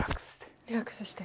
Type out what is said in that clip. リラックスして。